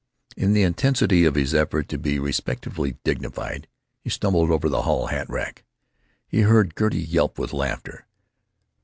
In the intensity of his effort to be resentfully dignified he stumbled over the hall hat rack. He heard Gertie yelp with laughter.